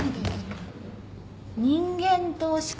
人間投資家？